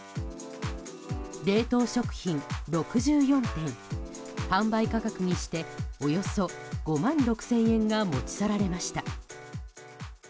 冷凍食品６４点販売価格にしておよそ５万６０００円が持ち去られました。